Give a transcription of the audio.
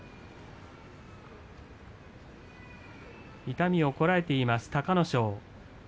痛みをこらえています隆の勝。